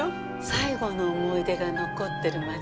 最後の思い出が残ってる街だから。